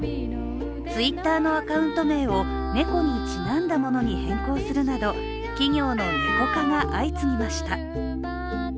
Ｔｗｉｔｔｅｒのアカウント名を猫にちなんだものに変更するなど企業の猫化が相次ぎました。